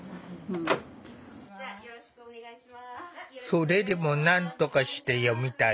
それでもなんとかして読みたい。